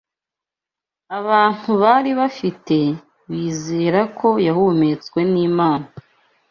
abantu bari bafite bizera ko yahumetswe n’Imana